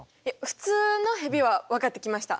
普通のヘビは分かってきました。